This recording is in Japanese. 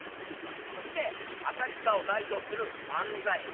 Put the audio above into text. そして浅草を代表する漫才師